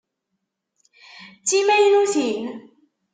D timaynutin?